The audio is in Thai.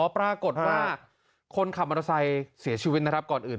ปรากฏว่าคนขับมอเตอร์ไซค์เสียชีวิตนะครับก่อนอื่น